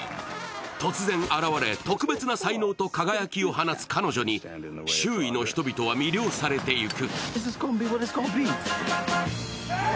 突然現れ、特別な才能と輝きを放つ彼女に周囲の人々は魅了されていく。